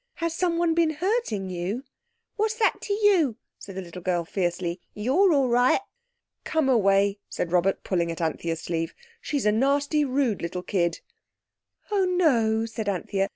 "Has someone been hurting you?" "What's that to you?" said the little girl fiercely. "You're all right." "Come away," said Robert, pulling at Anthea's sleeve. "She's a nasty, rude little kid." "Oh, no," said Anthea.